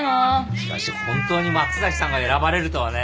しかし本当に松崎さんが選ばれるとはね。